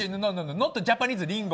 ノットジャパニーズリンゴ。